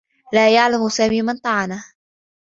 لا يعلم سامي من طعنه.